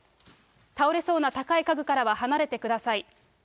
倒れそうな高い家具からは離れてください。